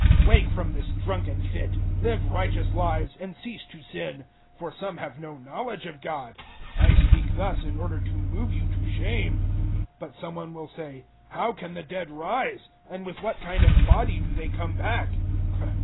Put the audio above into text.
015:034 Wake from this drunken fit; live righteous lives, and cease to sin; for some have no knowledge of God: I speak thus in order to move you to shame. 015:035 But some one will say, "How can the dead rise? And with what kind of body do they come back?"